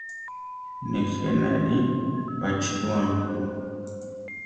Nejé nari baʼchirúami ju.